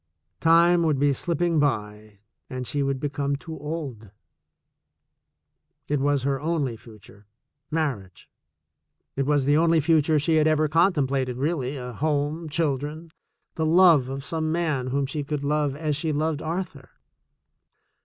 Time would be slipping by and she would become too old. It was her only future — mar riage. It was the only future she had ever contem plated really, a home, children, the love of some man whom she could love as she loved Arthur.